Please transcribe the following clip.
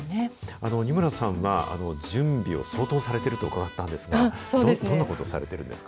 仁村さんは、準備を相当されているとうかがったんですが、どんなことをされているんですか？